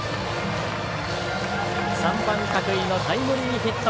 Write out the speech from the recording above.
３番、角井のタイムリーヒット。